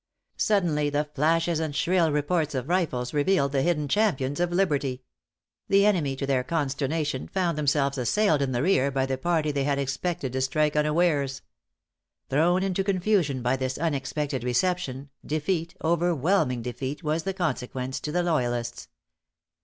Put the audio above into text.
Suddenly the flashes and shrill reports of rifles revealed the hidden champions of liberty. The enemy, to their consternation, found themselves assailed in the rear by the party they had expected to strike unawares. Thrown into confusion by this unexpected reception, defeat, overwhelming defeat, was the consequence to the loyalists.